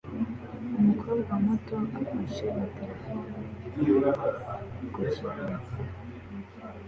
Umukobwa muto afashe na terefone ku kibuga